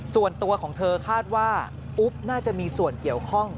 ส่วนตัวของเธอคาดว่าอุ๊บน่าจะมีส่วนเกี่ยวข้อง